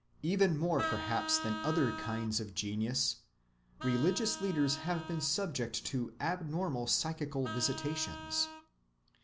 Even more perhaps than other kinds of genius, religious leaders have been subject to abnormal psychical visitations.